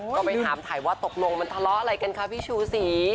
ก็ไปถามถ่ายว่าตกลงมันทะเลาะอะไรกันคะพี่ชูศรี